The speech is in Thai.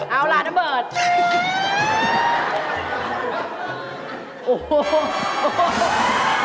เอาล่ะนเบิร์ต